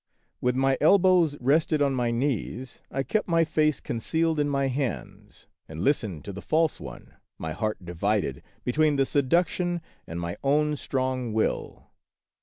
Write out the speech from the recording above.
With my elbows rested on my knees, I kept my face concealed in my hands and listened to the false one, my heart divided between the seduction and my own strong will.